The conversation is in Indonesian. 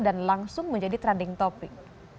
dan langsung menjadi trending topic